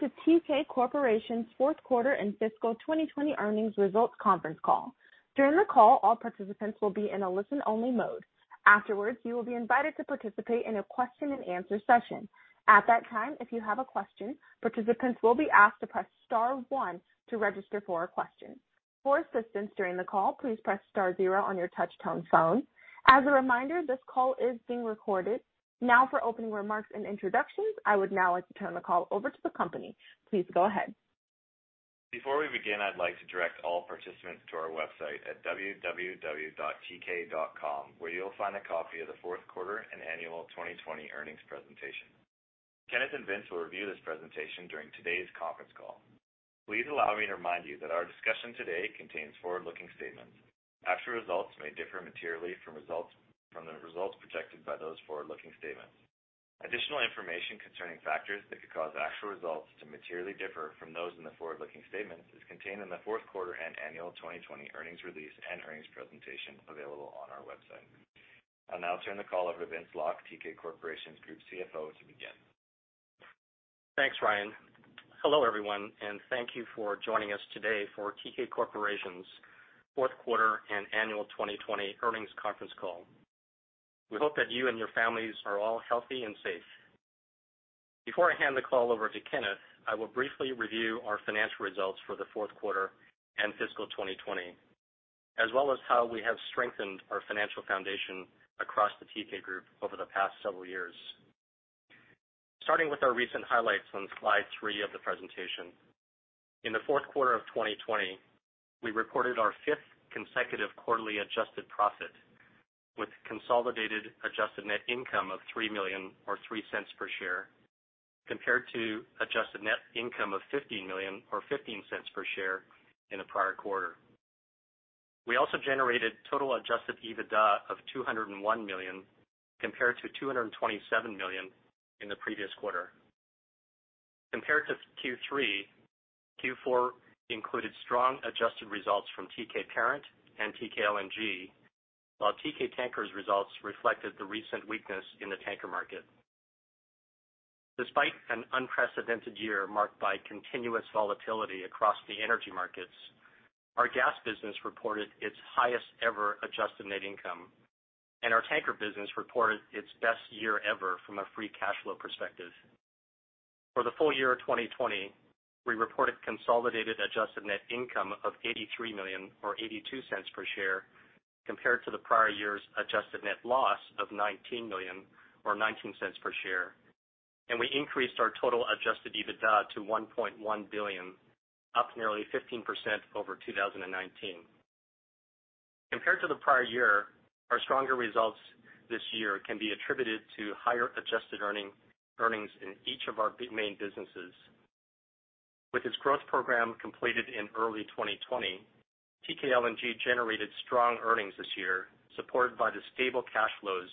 Welcome to Teekay Corporation's Q4 and fiscal 2020 earnings results conference call. During the call, all participants will be in a listen-only mode. Afterwards, you will be invited to participate in a question and answer session. At that time, if you have a question, participants will be asked to press star one to register for a question. For assistance during the call, please press star zero on your touch-tone phone. As a reminder, this call is being recorded. For opening remarks and introductions, I would now like to turn the call over to the company. Please go ahead. Before we begin, I'd like to direct all participants to our website at teekay.com, where you'll find a copy of the Q4 and annual 2020 earnings presentation. Kenneth and Vince will review this presentation during today's conference call. Please allow me to remind you that our discussion today contains forward-looking statements. Actual results may differ materially from the results projected by those forward-looking statements. Additional information concerning factors that could cause actual results to materially differ from those in the forward-looking statements is contained in the Q4 and annual 2020 earnings release and earnings presentation available on our website. I'll now turn the call over to Vince Lok, Teekay Corporation's Group CFO, to begin. Thanks, Ryan. Hello, everyone, and thank you for joining us today for Teekay Corporation's Q4 and annual 2020 earnings conference call. We hope that you and your families are all healthy and safe. Before I hand the call over to Kenneth, I will briefly review our financial results for the Q4 and fiscal 2020, as well as how we have strengthened our financial foundation across the Teekay Group over the past several years. Starting with our recent highlights on slide three of the presentation. In the Q4 of 2020, we reported our fifth consecutive quarterly adjusted profit with consolidated adjusted net income of $3 million or $0.03 per share, compared to adjusted net income of $15 million, or $0.15 per share in the prior quarter. We also generated total adjusted EBITDA of $201 million, compared to $227 million in the previous quarter. Compared to Q3, Q4 included strong adjusted results from Teekay Parent and Teekay LNG, while Teekay Tankers results reflected the recent weakness in the tanker market. Despite an unprecedented year marked by continuous volatility across the energy markets, our gas business reported its highest ever adjusted net income, and our tanker business reported its best year ever from a free cash flow perspective. For the full year of 2020, we reported consolidated adjusted net income of $83 million, or $0.82 per share, compared to the prior year's adjusted net loss of $19 million or $0.19 per share, and we increased our total adjusted EBITDA to $1.1 billion, up nearly 15% over 2019. Compared to the prior year, our stronger results this year can be attributed to higher adjusted earnings in each of our main businesses. With its growth program completed in early 2020, Teekay LNG generated strong earnings this year, supported by the stable cash flows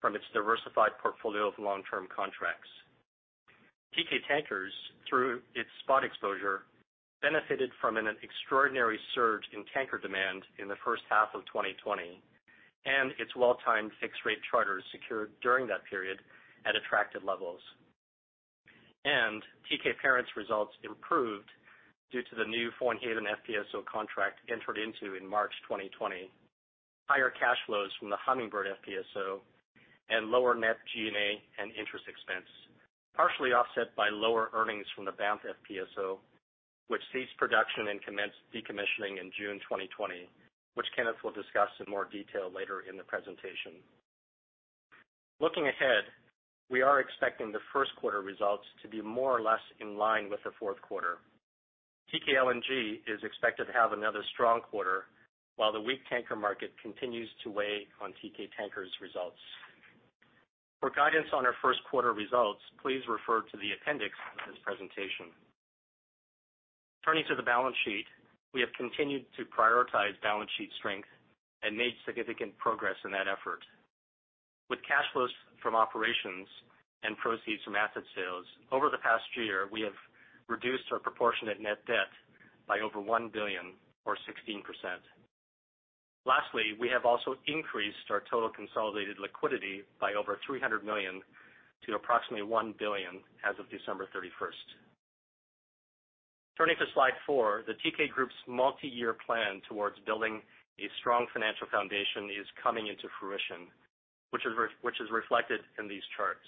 from its diversified portfolio of long-term contracts. Teekay Tankers, through its spot exposure, benefited from an extraordinary surge in tanker demand in the H1 of 2020 and its well-timed fixed-rate charters secured during that period at attractive levels. Teekay Parent's results improved due to the new Foinaven FPSO contract entered into in March 2020. Higher cash flows from the Hummingbird FPSO and lower net G&A and interest expense, partially offset by lower earnings from the Banff FPSO, which ceased production and commenced decommissioning in June 2020, which Kenneth will discuss in more detail later in the presentation. Looking ahead, we are expecting the Q1 results to be more or less in line with the Q4. Teekay LNG is expected to have another strong quarter, while the weak tanker market continues to weigh on Teekay Tankers results. For guidance on our first quarter results, please refer to the appendix of this presentation. Turning to the balance sheet, we have continued to prioritize balance sheet strength and made significant progress in that effort. With cash flows from operations and proceeds from asset sales, over the past year, we have reduced our proportionate net debt by over $1 billion or 16%. Lastly, we have also increased our total consolidated liquidity by over $300 million to approximately $1 billion as of December 31st. Turning to slide four, the Teekay Group's multi-year plan towards building a strong financial foundation is coming into fruition, which is reflected in these charts.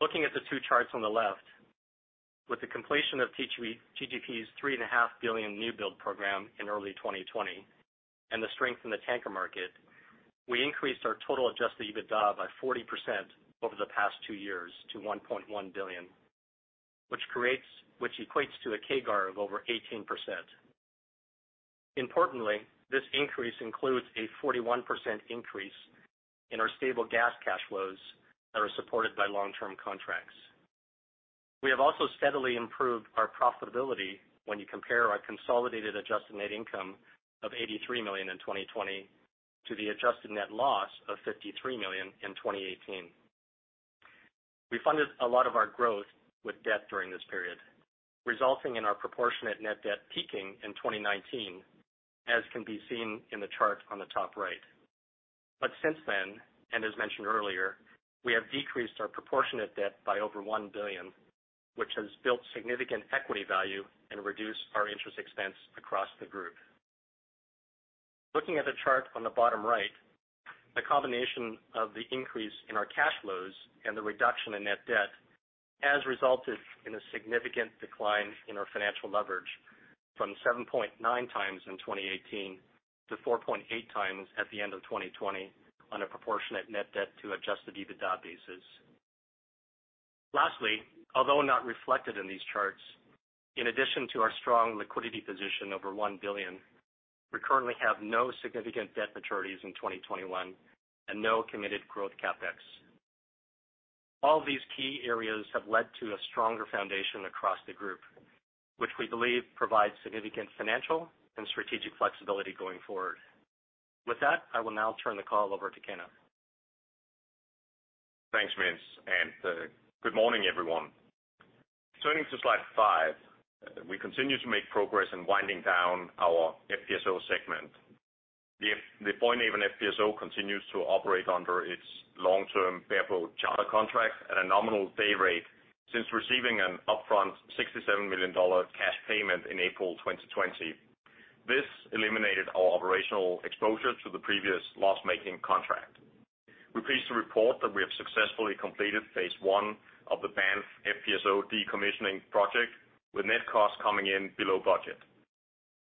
Looking at the two charts on the left, with the completion of TGP's $3.5 billion new-build program in early 2020 and the strength in the tanker market, we increased our total adjusted EBITDA by 40% over the past two years to $1.1 billion, which equates to a CAGR of over 18%. Importantly, this increase includes a 41% increase in our stable gas cash flows that are supported by long-term contracts. We have also steadily improved our profitability when you compare our consolidated adjusted net income of $83 million in 2020 to the adjusted net loss of $53 million in 2018. We funded a lot of our growth with debt during this period, resulting in our proportionate net debt peaking in 2019, as can be seen in the chart on the top right. Since then, and as mentioned earlier, we have decreased our proportionate debt by over $1 billion, which has built significant equity value and reduced our interest expense across the group. Looking at the chart on the bottom right, the combination of the increase in our cash flows and the reduction in net debt has resulted in a significant decline in our financial leverage from 7.9 times in 2018 to 4.8 times at the end of 2020 on a proportionate net debt to adjusted EBITDA basis. Lastly, although not reflected in these charts, in addition to our strong liquidity position over $1 billion, we currently have no significant debt maturities in 2021 and no committed growth CapEx. All these key areas have led to a stronger foundation across the Group, which we believe provides significant financial and strategic flexibility going forward. With that, I will now turn the call over to Kenneth. Thanks, Vince, and good morning, everyone. Turning to slide 5, we continue to make progress in winding down our FPSO segment. The Foinaven FPSO continues to operate under its long-term bareboat charter contract at a nominal day rate since receiving an upfront $67 million cash payment in April 2020. This eliminated our operational exposure to the previous loss-making contract. We're pleased to report that we have successfully completed phase 1 of the Banff FPSO decommissioning project, with net costs coming in below budget.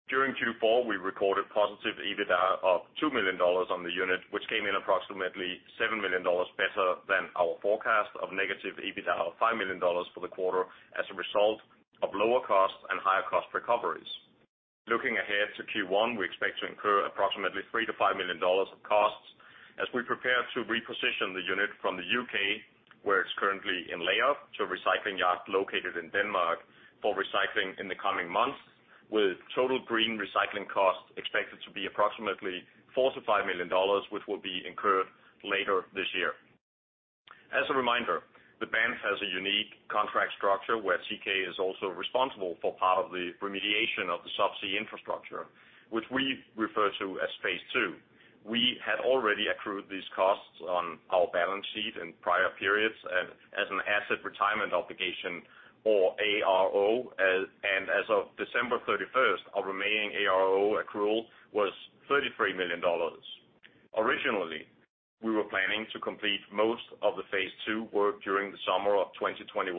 During Q4, we recorded positive EBITDA of $2 million on the unit, which came in approximately $7 million better than our forecast of negative EBITDA of $5 million for the quarter as a result of lower costs and higher cost recoveries. Looking ahead to Q1, we expect to incur approximately $3 million to $5 million of costs as we prepare to reposition the unit from the U.K., where it's currently in layup, to a recycling yard located in Denmark for recycling in the coming months, with total green recycling costs expected to be approximately $4 million to $5 million, which will be incurred later this year. As a reminder, the Banff has a unique contract structure where Teekay is also responsible for part of the remediation of the sub-sea infrastructure, which we refer to as phase II. We had already accrued these costs on our balance sheet in prior periods and as an asset retirement obligation or ARO. As of December 31st, our remaining ARO accrual was $33 million. Originally, we were planning to complete most of the phase II work during the summer of 2021.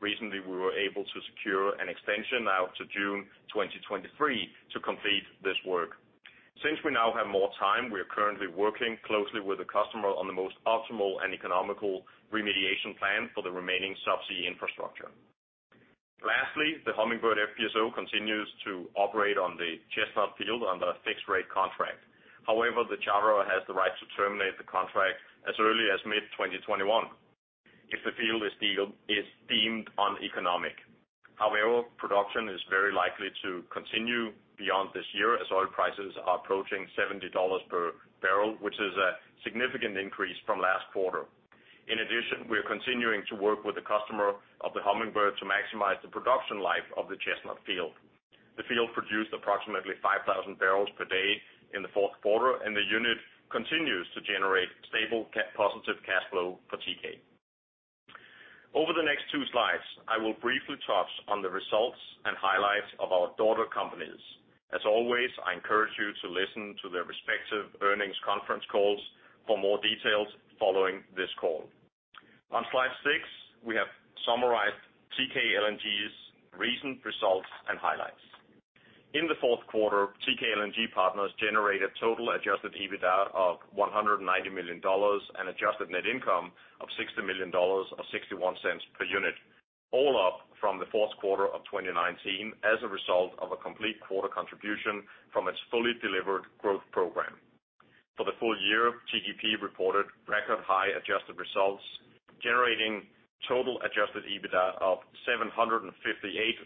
Recently, we were able to secure an extension out to June 2023 to complete this work. Since we now have more time, we are currently working closely with the customer on the most optimal and economical remediation plan for the remaining sub-sea infrastructure. Lastly, the Hummingbird FPSO continues to operate on the Chestnut field under a fixed-rate contract. The charterer has the right to terminate the contract as early as mid-2021 if the field is deemed uneconomic. Production is very likely to continue beyond this year as oil prices are approaching $70 per barrel, which is a significant increase from last quarter. In addition, we are continuing to work with the customer of the Hummingbird to maximize the production life of the Chestnut field. The field produced approximately 5,000 barrels per day in the fourth quarter, and the unit continues to generate stable positive cash flow for Teekay. Over the next 2 slides, I will briefly touch on the results and highlights of our daughter companies. As always, I encourage you to listen to their respective earnings conference calls for more details following this call. On slide 6, we have summarized Teekay LNG's recent results and highlights. In the Q4, Teekay LNG Partners generated total adjusted EBITDA of $190 million and adjusted net income of $60 million or $0.61 per unit, all up from the Q4 of 2019 as a result of a complete quarter contribution from its fully delivered growth program. For the full year, TGP reported record-high adjusted results, generating total adjusted EBITDA of $758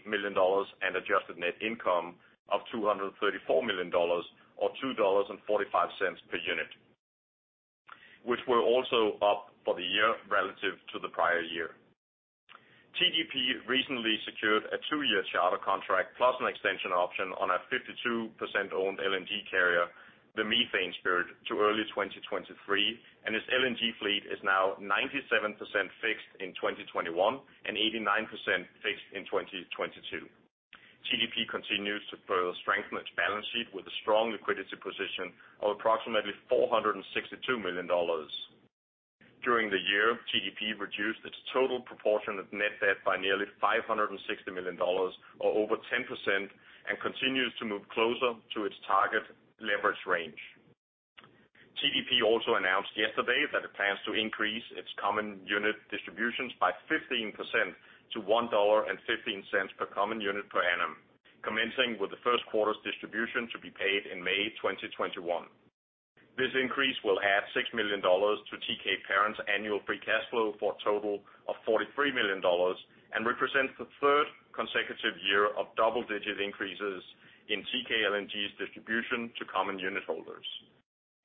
million and adjusted net income of $234 million or $2.45 per unit, which were also up for the year relative to the prior year. TGP recently secured a two-year charter contract plus an extension option on a 52%-owned LNG carrier, the Methane Spirit, to early 2023, and its LNG fleet is now 97% fixed in 2021 and 89% fixed in 2022. TGP continues to further strengthen its balance sheet with a strong liquidity position of approximately $462 million. During the year, TGP reduced its total proportionate net debt by nearly $560 million or over 10% and continues to move closer to its target leverage range. TGP also announced yesterday that it plans to increase its common unit distributions by 15% to $1.15 per common unit per annum, commencing with the Q1 distribution to be paid in May 2021. This increase will add $6 million to Teekay Parent's annual free cash flow for a total of $43 million and represents the third consecutive year of double-digit increases in Teekay LNG's distribution to common unit holders.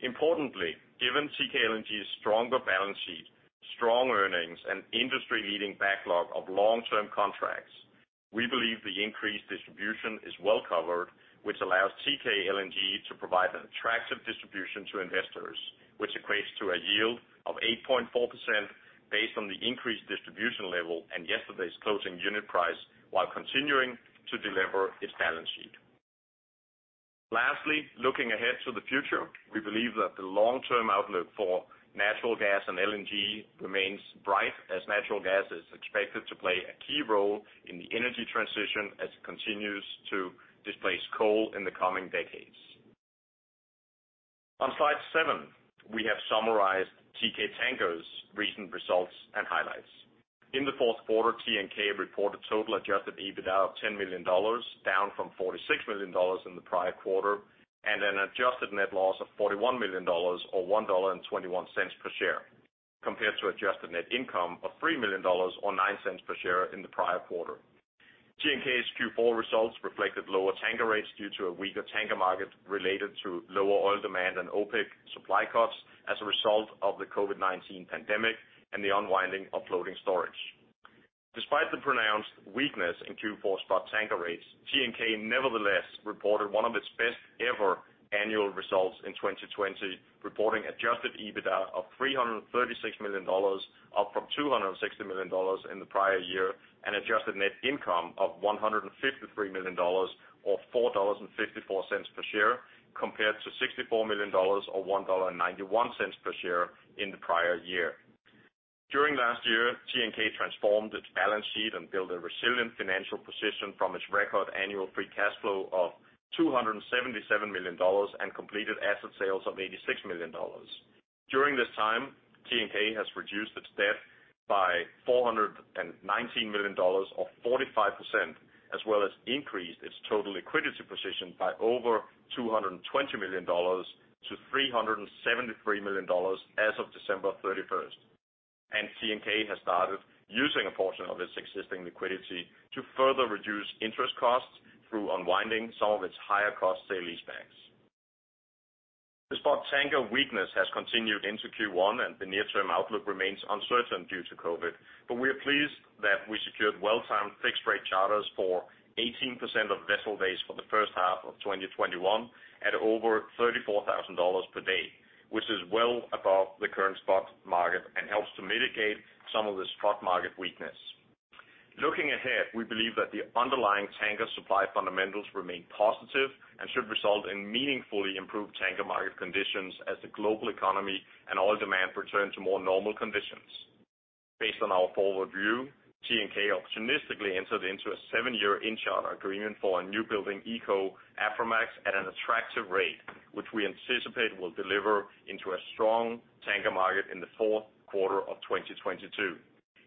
Importantly, given Teekay LNG's stronger balance sheet, strong earnings, and industry-leading backlog of long-term contracts. We believe the increased distribution is well covered, which allows Teekay LNG to provide an attractive distribution to investors, which equates to a yield of 8.4% based on the increased distribution level and yesterday's closing unit price while continuing to delever its balance sheet. Lastly, looking ahead to the future, we believe that the long-term outlook for natural gas and LNG remains bright as natural gas is expected to play a key role in the energy transition as it continues to displace coal in the coming decades. On slide seven, we have summarized Teekay Tankers recent results and highlights. In the Q4, TNK reported total adjusted EBITDA of $10 million, down from $46 million in the prior quarter, and an adjusted net loss of $41 million or $1.21 per share, compared to adjusted net income of $3 million or $0.09 per share in the prior quarter. TNK's Q4 results reflected lower tanker rates due to a weaker tanker market related to lower oil demand and OPEC supply cuts as a result of the COVID-19 pandemic and the unwinding of floating storage. Despite the pronounced weakness in Q4 spot tanker rates, TNK nevertheless reported one of its best ever annual results in 2020, reporting adjusted EBITDA of $336 million, up from $260 million in the prior year, and adjusted net income of $153 million or $4.54 per share compared to $64 million or $1.91 per share in the prior year. During last year, TNK transformed its balance sheet and built a resilient financial position from its record annual free cash flow of $277 million and completed asset sales of $86 million. During this time, TNK has reduced its debt by $419 million or 45%, as well as increased its total liquidity position by over $220 million to $373 million as of December 31st. TNK has started using a portion of its existing liquidity to further reduce interest costs through unwinding some of its higher cost sale-lease backs. The spot tanker weakness has continued into Q1, and the near term outlook remains uncertain due to COVID, but we are pleased that we secured well-timed fixed rate charters for 18% of vessel days for the H1 of 2021 at over $34,000 per day, which is well above the current spot market and helps to mitigate some of the spot market weakness. Looking ahead, we believe that the underlying tanker supply fundamentals remain positive and should result in meaningfully improved tanker market conditions as the global economy and oil demand return to more normal conditions. Based on our forward view, TNK optimistically entered into a seven-year in charter agreement for a new building eco Aframax at an attractive rate, which we anticipate will deliver into a strong tanker market in the Q4 of 2022,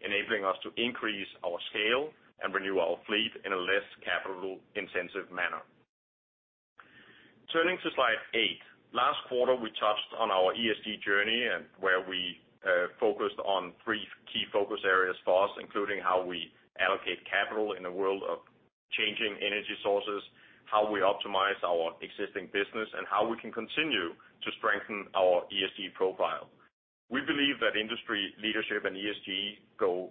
enabling us to increase our scale and renew our fleet in a less capital-intensive manner. Turning to slide 8. Last quarter we touched on our ESG journey and where we focused on three key focus areas for us, including how we allocate capital in a world of changing energy sources, how we optimize our existing business, and how we can continue to strengthen our ESG profile. We believe that industry leadership and ESG go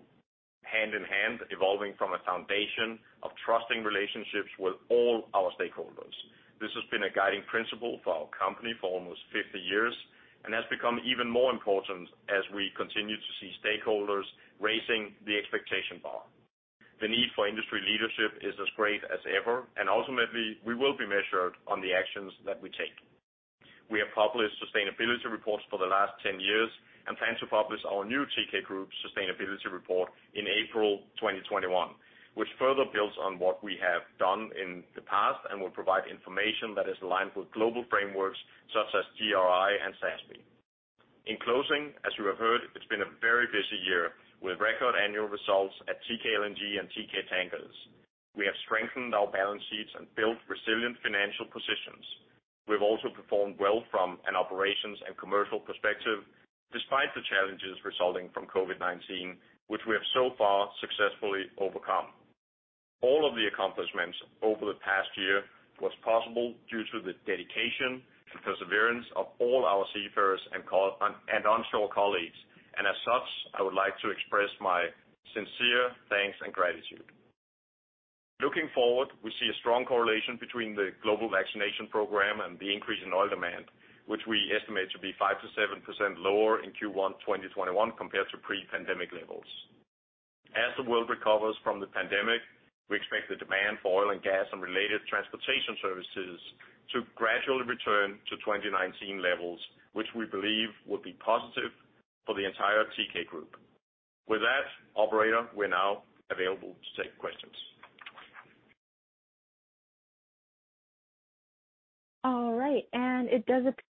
hand in hand, evolving from a foundation of trusting relationships with all our stakeholders. This has been a guiding principle for our company for almost 50 years and has become even more important as we continue to see stakeholders raising the expectation bar. The need for industry leadership is as great as ever, and ultimately we will be measured on the actions that we take. We have published sustainability reports for the last 10 years and plan to publish our new Teekay Group sustainability report in April 2021, which further builds on what we have done in the past and will provide information that is aligned with global frameworks such as GRI and SASB. In closing, as you have heard, it's been a very busy year with record annual results at Teekay LNG and Teekay Tankers. We have strengthened our balance sheets and built resilient financial positions. We've also performed well from an operations and commercial perspective despite the challenges resulting from COVID-19, which we have so far successfully overcome. All of the accomplishments over the past year was possible due to the dedication and perseverance of all our seafarers and onshore colleagues, and as such, I would like to express my sincere thanks and gratitude. Looking forward, we see a strong correlation between the global vaccination program and the increase in oil demand, which we estimate to be 5% to 7% lower in Q1 2021 compared to pre-pandemic levels. As the world recovers from the pandemic, we expect the demand for oil and gas and related transportation services to gradually return to 2019 levels, which we believe will be positive for the entire Teekay Group. With that, operator, we're now available to take questions. All right. It does appear